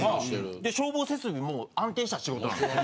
消防設備も安定した仕事なんですよ。